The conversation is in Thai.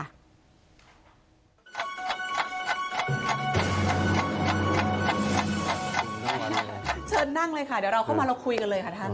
เชิญนั่งเลยค่ะเดี๋ยวเราเข้ามาเราคุยกันเลยค่ะท่าน